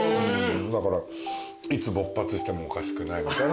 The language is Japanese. だからいつ勃発してもおかしくないみたいなのは。